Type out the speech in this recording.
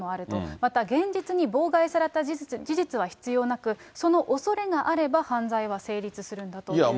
また現実に妨害された事実は必要なく、そのおそれがあれば犯罪は成立するんだということです。